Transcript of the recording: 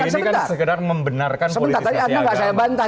sekadar membenarkan politisasi agama sebentar tidak saya bantah